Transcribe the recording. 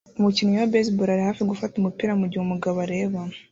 Umukinnyi wa baseball ari hafi gufata umupira mugihe umugabo areba